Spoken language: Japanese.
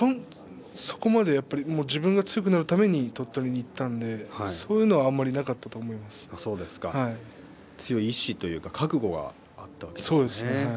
自分が強くなるために鳥取に行ったので、そういうのは強い覚悟があったわけですね。